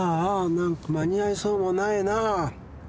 なんか間に合いそうもないなぁ。